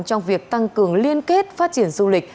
trong việc tăng cường liên kết phát triển du lịch